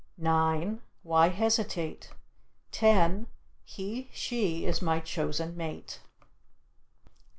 Nine why hesitate. Ten he (she) is my chosen mate.